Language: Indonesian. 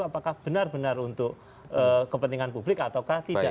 apakah benar benar untuk kepentingan publik atau tidak